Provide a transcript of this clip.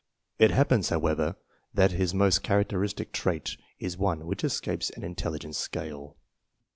It happens, however, that his most characteristic trait is one which escapes an intelligence scale.